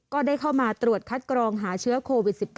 ก็ได้เข้ามาตรวจคัดกรองหาเชื้อโควิด๑๙